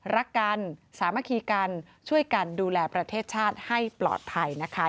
รักกันสามัคคีกันช่วยกันดูแลประเทศชาติให้ปลอดภัยนะคะ